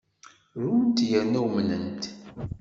Runt yerna umnent.